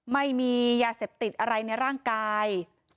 ไม่มียาเสพติดอะไรในร่างกาย